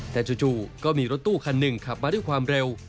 แต่จู่ก็มีรถตู้คันหนึ่งขับมาด้วยความเร็ว